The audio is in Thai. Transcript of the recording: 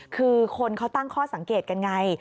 คือคนเขาตั้งข้อสังเกตกันไง